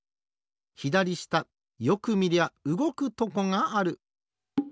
ひだりしたよくみりゃうごくとこがある。